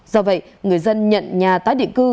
do vậy người dân nhận nhà tái định cư